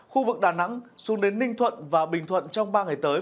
khu vực đà nẵng xuống đến ninh thuận và bình thuận trong ba ngày tới